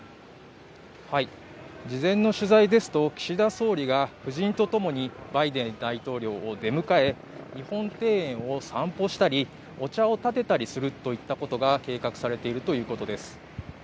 事前の取材ですと、岸田総理が夫人とともにバイデン大統領を出迎え日本庭園を散歩したりお茶をたてたりするといったことが計画されているようです。